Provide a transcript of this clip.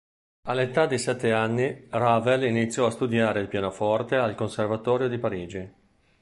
All'età di sette anni, Ravel iniziò a studiare il pianoforte al Conservatorio di Parigi.